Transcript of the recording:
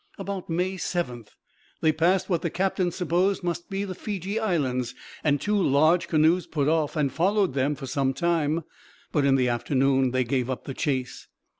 About May 7, they passed what the captain supposed must be the Fiji Islands, and two large canoes put off and followed them for some time, but in the afternoon they gave up the chase.